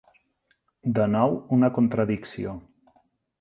De nou una contradicció.